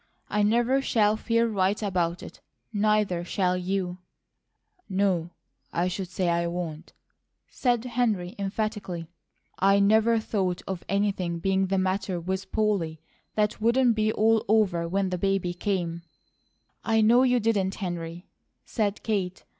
I never shall feel right about it; neither shall you " "No, I should say I won't!" said Henry emphatically. "I never thought of anything being the matter with Polly that wouldn't be all over when the baby came " "I know you didn't, Henry," said Kate.